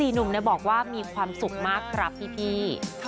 หนุ่มบอกว่ามีความสุขมากครับพี่